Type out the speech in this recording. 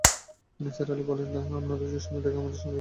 নিসার আলি বললেন, আপনাদের যদি সময় থাকে আমার সঙ্গে একটা বাড়িতে চলুন।